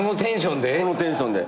このテンションで。